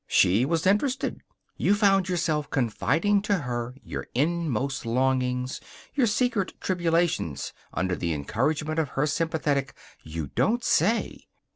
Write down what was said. She was interested. You found yourself confiding to her your innermost longings, your secret tribulations, under the encouragement of her sympathetic, "You don't say!"